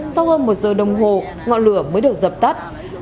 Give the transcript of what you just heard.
sau hơn một giờ đồng hồ ngọn lửa mới được dập tắt